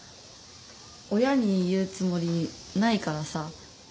親に言うつもりないからさ。